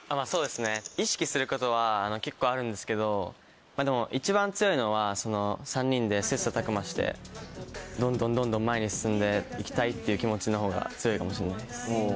意識することは結構あるんですけど一番強いのは３人で切磋琢磨してどんどんどんどん前に進んで行きたいっていう気持ちのほうが強いかもしんないです。